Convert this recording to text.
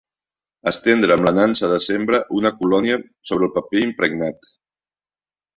Estendre amb la nansa de sembra una colònia sobre el paper impregnat.